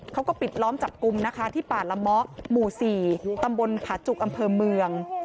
เขาก็ปิดล้อมจับกลุ่มนะคะที่ป่าละเมาะหมู่๔ตำบลผาจุกอำเภอเมือง